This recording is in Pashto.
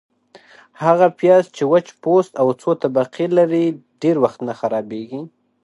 - هغه پیاز چي وچ پوست او څو طبقې لري، ډېر وخت نه خرابیږي.